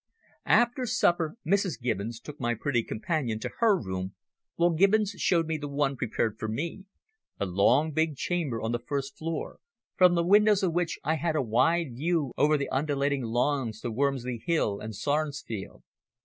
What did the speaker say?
After supper Mrs. Gibbons took my pretty companion to her room, while Gibbons showed me the one prepared for me, a long big chamber on the first floor, from the windows of which I had a wide view over the undulating lawns to Wormsley Hill and Sarnesfield.